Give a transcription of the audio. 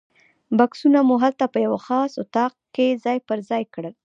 بکسونه مو هلته په یوه خاص اتاق کې ځای پر ځای کړل.